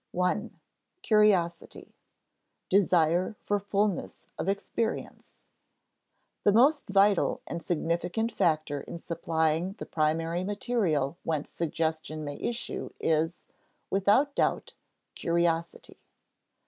§ 1. Curiosity [Sidenote: Desire for fullness of experience:] The most vital and significant factor in supplying the primary material whence suggestion may issue is, without doubt, curiosity.